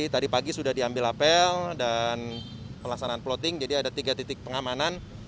tadi pagi sudah diambil apel dan pelaksanaan plotting jadi ada tiga titik pengamanan